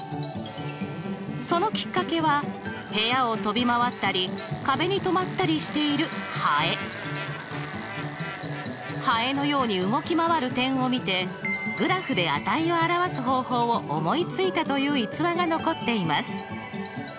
そのきっかけは部屋を飛び回ったり壁に止まったりしているはえのように動き回る点を見てグラフで値を表す方法を思いついたという逸話が残っています。